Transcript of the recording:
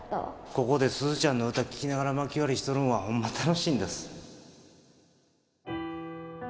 ここで鈴ちゃんの歌聴きながらまき割りしとるんはホンマ楽しいんだす。